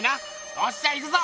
おっしゃいくぞ！